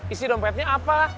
isi dompetnya apa